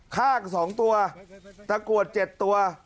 ข้าง๒ตัวตะกรวด๗ตัว